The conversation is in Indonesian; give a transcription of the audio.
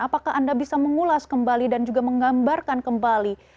apakah anda bisa mengulas kembali dan juga menggambarkan kembali